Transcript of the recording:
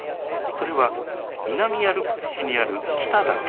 それは南アルプス市にある北岳。